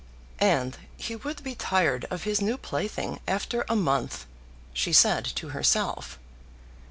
"And he would be tired of his new plaything after a month," she said to herself.